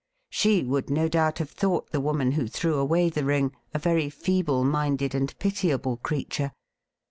She would no doubt have thought the woman who threw away the ring a very feeble minded and pitiable creature.